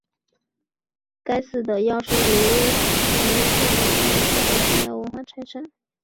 该寺的药师如来像为淡路市的重要文化财产。